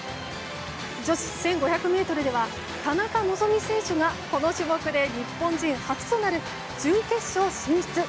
女子１５００ｍでは田中希実選手がこの種目で日本人初となる準決勝進出。